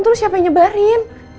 itu lo siapa yang nyebarin